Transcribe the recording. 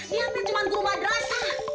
dia kan cuma guru madrasah